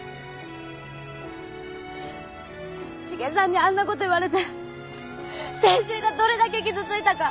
シゲさんにあんなこと言われて先生がどれだけ傷ついたか。